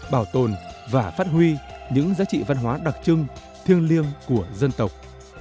bảo tồn và phát huy những giá trị văn hóa đặc trưng thiêng liêng của dân tộc